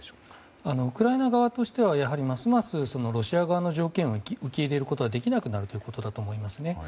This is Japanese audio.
ウクライナ側としてはますますロシア側の条件を受け入れることができなくなるということだと思います。